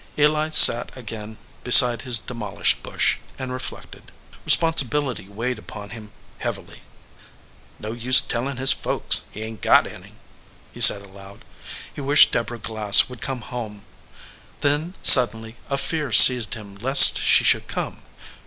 Eli sat again beside his demolished bush, and re flected. Responsibility weighed upon him heavily. "No use tellin his folks ; he ain t got any," he said, aloud. He wished Deborah Glass would come home. Then suddenly a fear seized him lest she should come.